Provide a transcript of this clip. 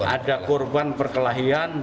ada korban perkelahian